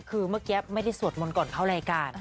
คือเมื่อกี้ไม่ได้สวดมนต์ก่อนเข้ารายการ